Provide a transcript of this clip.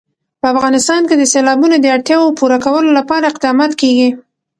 په افغانستان کې د سیلابونه د اړتیاوو پوره کولو لپاره اقدامات کېږي.